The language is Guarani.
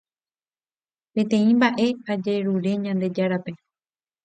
Peteĩ mba'e ajerure Ñandejárape